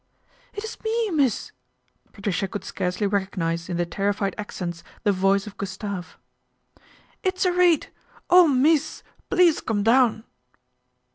" It's me, mees." Patricia could scarcely recognise in the terrified accents the voice of Gustave. " It's a raid. Oh ! mees, please come down."